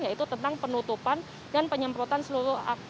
yaitu tentang penutupan dan penyemprotan seluruh